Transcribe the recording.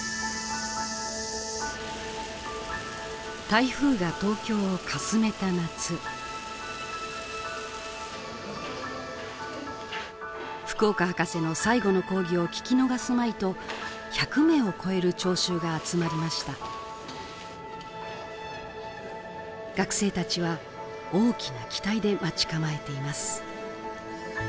台風が東京をかすめた夏福岡ハカセの「最後の講義」を聴き逃すまいと１００名を超える聴衆が集まりました学生たちは大きな期待で待ち構えています